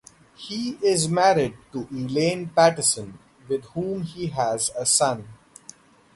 He is married to Elaine Patterson, with whom he has a son.